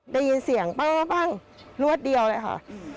ได้ยินเสียงปั้งรวดเดียวเลยค่ะ